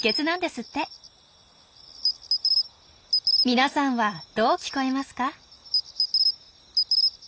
皆さんはどう聞こえますか？